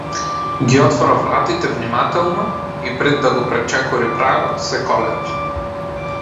Ги отвора вратите внимателно и, пред да го пречекори прагот, се колеба.